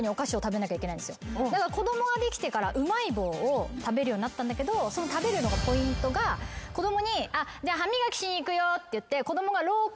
子供ができてからうまい棒を食べるようになったんだけど食べるポイントが子供に歯磨きしに行くよって言って。